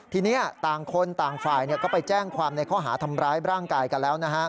ทีนี้ต่างคนต่างฝ่ายก็ไปแจ้งความในข้อหาทำร้ายร่างกายกันแล้ว